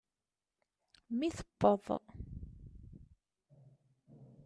Mi tewweḍ.